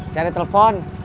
saya ada telepon